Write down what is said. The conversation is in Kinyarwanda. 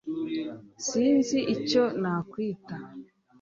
Sinzi icyo nakwita